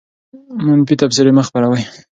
منفي تبصرې مه خپروه.